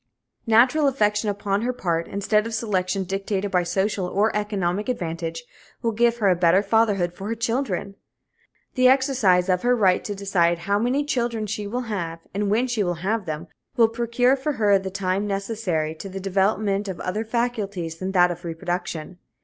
Natural affection upon her part, instead of selection dictated by social or economic advantage, will give her a better fatherhood for her children. The exercise of her right to decide how many children she will have and when she shall have them will procure for her the time necessary to the development of other faculties than that of reproduction.